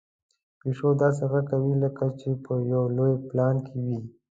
پيشو داسې غږ کوي لکه چې په یو لوی پلان کې وي.